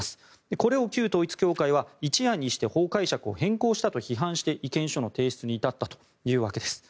これを旧統一教会は一夜にして法解釈を変更したと批判して意見書の提出に至ったというわけです。